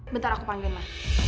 bentar aku panggilnya